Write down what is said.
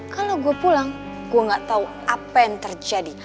kalau gue pulang gue gak tau apa yang terjadi